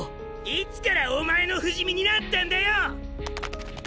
いつからお前の不死身になったんだよ。